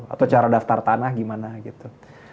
atau cara daftar tanah gimana gitu